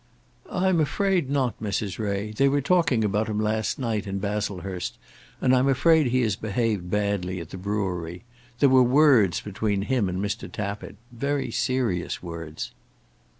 "I'm afraid not, Mrs. Ray. They were talking about him last night in Baslehurst, and I'm afraid he has behaved badly at the brewery. There were words between him and Mr. Tappitt, very serious words."